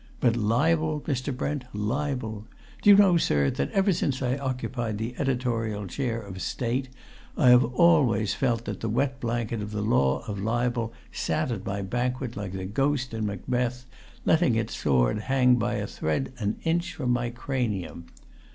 But libel, Mr. Brent, libel! Do you know, sir, that ever since I occupied the editorial chair of state I have always felt that the wet blanket of the law of libel sat at my banquet like the ghost in Macbeth, letting its sword hang by a thread an inch from my cranium!